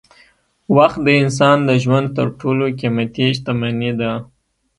وخت د انسان د ژوند تر ټولو قېمتي شتمني ده.